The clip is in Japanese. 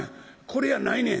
これやないねん」。